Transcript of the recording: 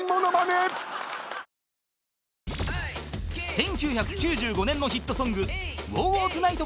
［１９９５年のヒットソング］